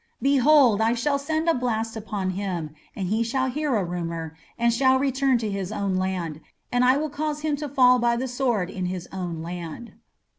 Behold, I will send a blast upon him, and he shall hear a rumour, and shall return to his own land; and I will cause him to fall by the sword in his own land.